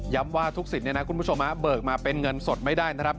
ว่าทุกสิทธิ์เนี่ยนะคุณผู้ชมเบิกมาเป็นเงินสดไม่ได้นะครับ